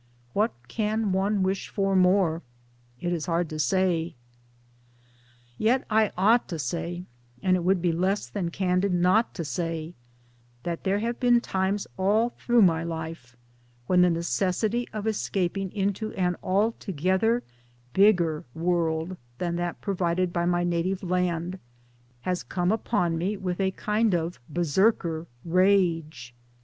What can one wish for more? It is hard to say. Yet I ought to say and it would be less than candid not Jo say that there have been times all through my life when the necessity of escaping into an altogether bigger world than that provided by my native land has come upon me with a kind of Berserker rage.